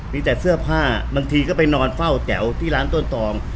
มีแต่เสื้อผ้าบางทีก็ไปนอนเฝ้าแจ๋วที่ร้านต้นตอง